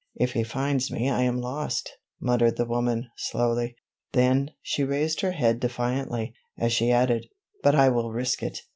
"If he finds me I am lost!" muttered the woman slowly, then she raised her head defiantly, as she added, "but I will risk it!"